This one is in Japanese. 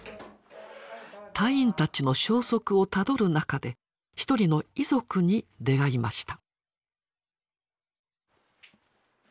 隊員たちの消息をたどる中で一人の遺族に出会いました。